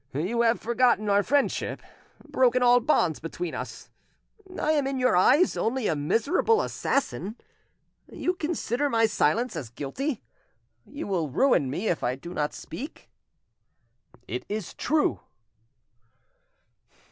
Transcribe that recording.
"You have forgotten our friendship, broken all bonds between us: I am in your eyes only a miserable assassin? You consider my silence as guilty, you will ruin me if I do not speak?" "It is true."